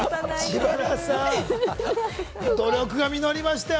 知花さん、努力が実りましたよ。